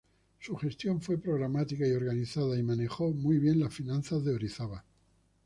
Su gestión fue programática y organizada, y manejó muy bien las finanzas de Orizaba.